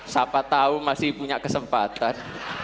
siapa tahu masih punya kesempatan